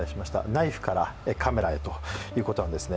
「ナイフからカメラへ」ということなんですね。